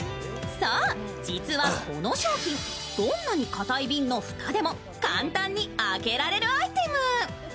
そう、実はこの商品、どんなにかたい瓶のふたでも簡単に開けられるアイテム。